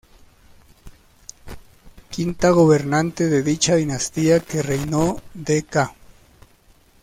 Quinta gobernante de dicha dinastía, que reinó de ca.